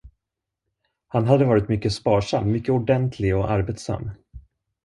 Han hade varit mycket sparsam, mycket ordentlig och arbetsam.